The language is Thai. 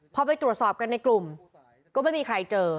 พอไปตรวจสอบกันในกลุ่มก็ไม่มีใครเจอ